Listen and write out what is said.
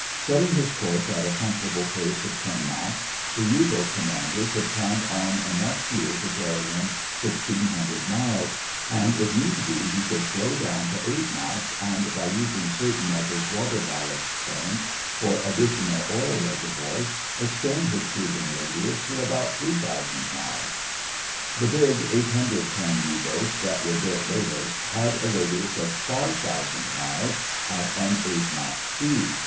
Setting his course at a comfortable pace of 10 knots, the U boat commander could count on enough fuel to carry him 1600 miles, and if need be he could slow down to 8 knots and by using certain of his water ballast tanks for additional oil reservoirs, extend his cruising radius to nearly 3000 miles. The big 800 ton U boats that were built later had a radius of 5000 miles at an 8 knot speed.